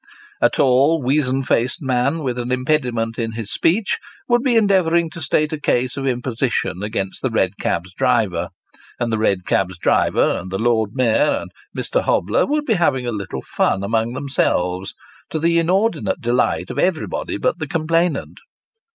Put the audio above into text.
A tall, weazen faced man, with an impediment in his speech, would be endea vouring to state a case of imposition against the red cab's driver, and the red cab's driver, and the Lord Mayor, and Mr. Hobler, would be having a little fun among themselves, to the inordinate delight of everybody but the complainant.